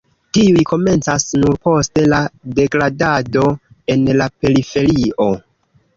Tiuj komencas nur poste la degradado en la periferio.